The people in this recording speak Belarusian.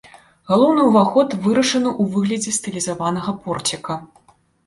Галоўны ўваход вырашаны ў выглядзе стылізаванага порціка.